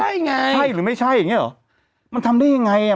ใช่ไงใช่หรือไม่ใช่อย่างเงี้เหรอมันทำได้ยังไงอ่ะ